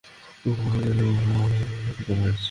তোমার কী মনে হয় এই জায়গাটা তার?